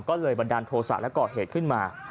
ก็เลยบันดาลโทษะและก่อเหตุขึ้นมา